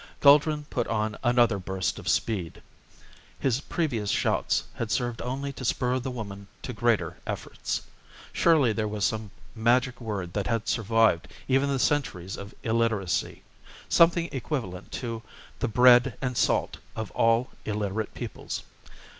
Guldran put on another burst of speed. His previous shouts had served only to spur the woman to greater efforts. Surely there was some magic word that had survived even the centuries of illiteracy. Something equivalent to the "bread and salt" of all illiterate peoples.